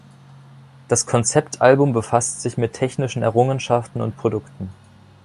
Das Konzeptalbum befasst sich mit technischen Errungenschaften und Produkten.